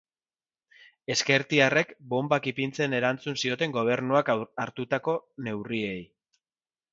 Ezkertiarrek bonbak ipintzen erantzun zioten gobernuak hartutako neurriei.